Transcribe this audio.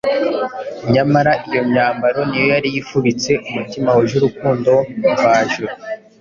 nyamara iyo myambaro niyo yari ifubitse umutima wuje urukundo mvajuru.